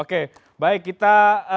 oke baik kita